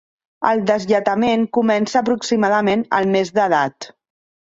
El deslletament comença aproximadament al mes d'edat.